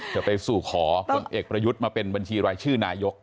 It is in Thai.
จะไปสู่ขอพลเอกประยุทธ์มาเป็นบัญชีรายชื่อนายก